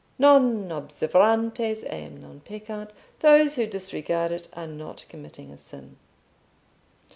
Non observantes eam non peccant: those who disregard it are not committing a sin."